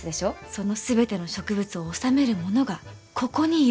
その全ての植物を修める者がここにいるんです。